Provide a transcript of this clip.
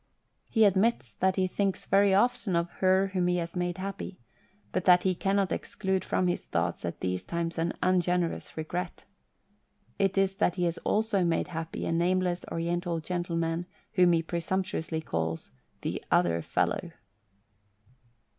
He admits that he thinks very often of "her whom he has made happy," but that he cannot exclude from his thoughts at these times an ungenerous regret. It is that he has also made happy a nameless Oriental gentle man whom he presumptuously calls " the other fellow."